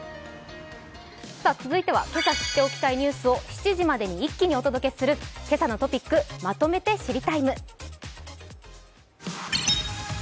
続いては今朝知っておきたいニュースを７時までに一気にお届けする今朝のトピック、まとめて「知りＴＩＭＥ，」。